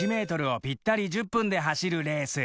１ｍをピッタリ１０分で走るレース。